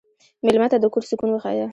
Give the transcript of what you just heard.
مېلمه ته د کور سکون وښیه.